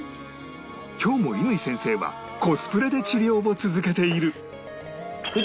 今日も乾先生はコスプレで治療を続けている